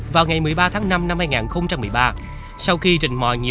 bản án tử hình